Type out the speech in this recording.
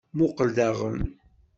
Muqqel daɣen.